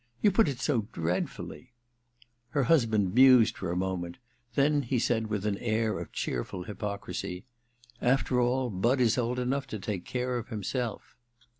*You put it so dreadfully !' Her husband mused for a moment ; then he said mth an air of cheerful hypocrisy :* After all, Budd is old enough to take care of himself.'